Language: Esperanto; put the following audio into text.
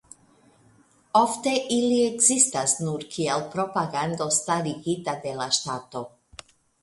Ofte ili ekzistas nur kiel propagando starigita de la ŝtato.